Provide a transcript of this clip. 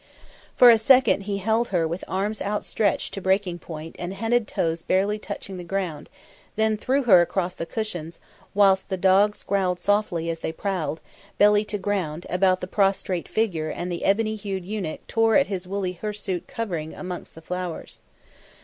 For a second he held her with arms stretched to breaking point and henna'd toes barely touching the ground, then threw her across the cushions, whilst the dogs growled softly as they prowled, belly to ground, about the prostrate figure and the ebony hued eunuch tore at his woolly hirsute covering amongst the flowers.